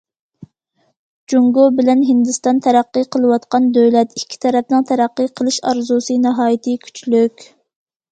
جۇڭگو بىلەن ھىندىستان تەرەققىي قىلىۋاتقان دۆلەت، ئىككى تەرەپنىڭ تەرەققىي قىلىش ئارزۇسى ناھايىتى كۈچلۈك.